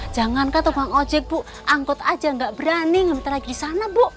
jangankah toko anggot aja gak berani ngebetar lagi disana bu